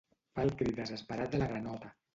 Fa el crit desesperat de la granota.